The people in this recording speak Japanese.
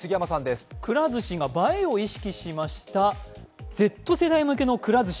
くら寿司が映えを意識しましたＺ世代向けのくら寿司